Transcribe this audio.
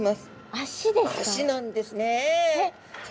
足なんですねえ。